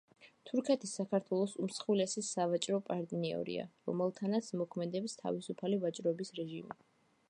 თურქეთი საქართველოს უმსხვილესი სავაჭრო პარტნიორია, რომელთანაც მოქმედებს თავისუფალი ვაჭრობის რეჟიმი.